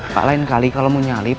pak lain kali kalau mau nyalip